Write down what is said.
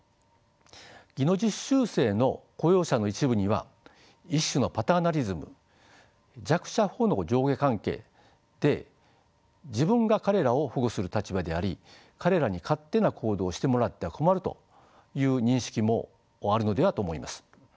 技能実習生の雇用者の一部には一種のパターナリズム弱者保護の上下関係で自分が彼らを保護する立場であり彼らに勝手な行動をしてもらっては困るという認識もあるのではと思います。